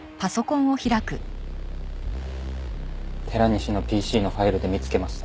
寺西のＰＣのファイルで見つけました。